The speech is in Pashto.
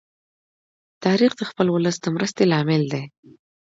تاریخ د خپل ولس د مرستی لامل دی.